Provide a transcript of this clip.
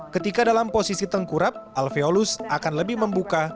ketika dalam posisi tengkurap alveolus akan lebih membuka